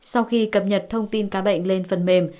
sau khi cập nhật thông tin cá bệnh lên phần mềm